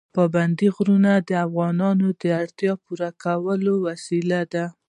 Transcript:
پابندي غرونه د افغانانو د اړتیاوو پوره کولو وسیله ده.